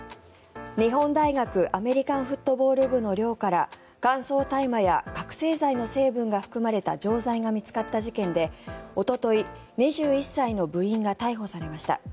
日本大学アメリカンフットボール部の寮から乾燥大麻や覚醒剤の成分が含まれた錠剤が見つかった事件でおととい、２１歳の部員が逮捕されました。